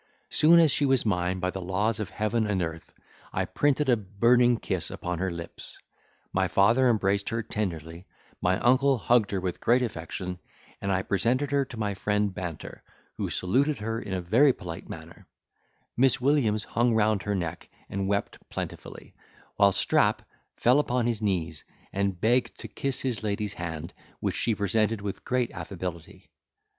Soon as she was mine by the laws or heaven and earth, I printed a burning kiss upon her lips; my father embraced her tenderly, my uncle hugged her with great affection, and I presented her to my friend Banter, who saluted her in a very polite manner; Miss Williams hung round her neck, and went plentifully; while Strap fell upon his knees, and begged to kiss his lady's hand, which she presented with great affability.